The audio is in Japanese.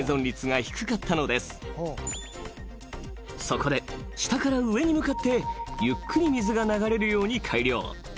［そこで下から上に向かってゆっくり水が流れるように改良］